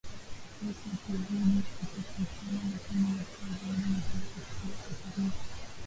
Yesu wakizidi kutofautiana Makundi makubwa zaidi ni Kanisa Katoliki